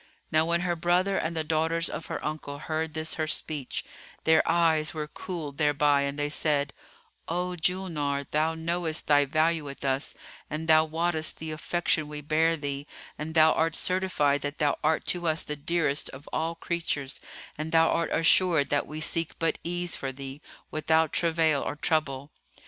Now when her brother and the daughters of her uncle heard this her speech, their eyes were cooled thereby and they said, "O Julnar, thou knowest thy value with us and thou wottest the affection we bear thee and thou art certified that thou art to us the dearest of all creatures and thou art assured that we seek but ease for thee, without travail or trouble.